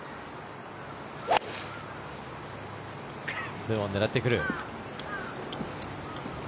２オンを狙ってくる。